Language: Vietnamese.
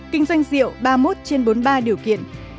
kinh doanh rượu ba mươi một trên bốn mươi ba điều kiện